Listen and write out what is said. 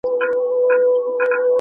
معنوي حقوق باید کم نه سي.